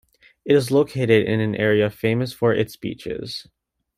It is located in an area famous for its beaches.